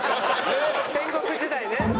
戦国時代ね。